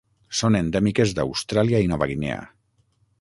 Són endèmiques d'Austràlia i Nova Guinea.